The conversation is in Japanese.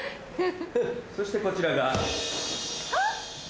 そしてこちらが。